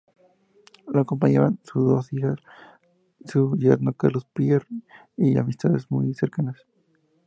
Lo acompañaron sus dos hijas, su yerno Carlos Pierre y amistades muy cercanas.